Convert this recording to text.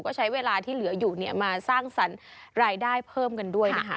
ก็ใช้เวลาที่เหลืออยู่เนี่ยมาสร้างสรรค์รายได้เพิ่มกันด้วยนะคะ